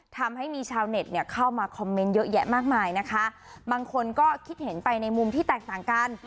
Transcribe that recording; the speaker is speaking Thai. ทำให้มีชาวเน็ตเนี่ยเข้ามาคอมเมนต์เยอะแยะมากมายนะคะบางคนก็คิดเห็นไปในมุมที่แตกต่างกัน